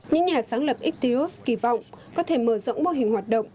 những nhà sáng lập etios kỳ vọng có thể mở rộng mô hình hoạt động